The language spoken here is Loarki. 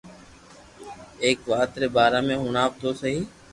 ايڪ وات ري بارا ۾ ھڻاو تو سھي